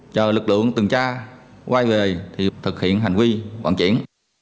chờ lực lượng từng tra quay về thì thực hiện hành vi vận chuyển